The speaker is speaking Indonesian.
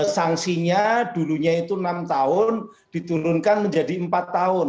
sanksinya dulunya itu enam tahun diturunkan menjadi empat tahun